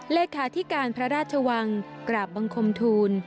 เลขาธิการพระราชวังกราบบังคมทูล